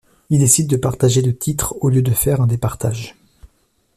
Ils décident de partager le titre au lieu de faire un départage.